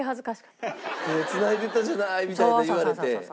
手繋いでたじゃないみたいに言われて。